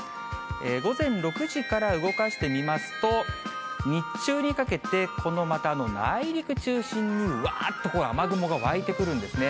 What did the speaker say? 午前６時から動かしてみますと、日中にかけて、このまた内陸中心にわーっと雨雲が湧いてくるんですね。